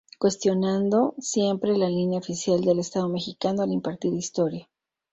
Cuestionando siempre la línea oficial del Estado Mexicano al impartir historia.